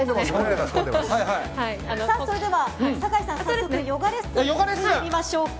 それでは、酒井さん、早速ヨガレッスンをしてみましょうか。